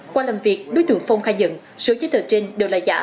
qua làm việc đối tượng phong khai nhận số giấy tờ trên đều là giả